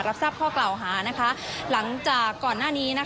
รับทราบข้อกล่าวหาหลังจากก่อนหน้านี้